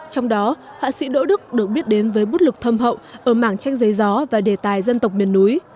trong đó họa sĩ đỗ đức được biết đến với bút lục thâm hậu ở mảng tranh giấy gió và đề tài dân tộc miền núi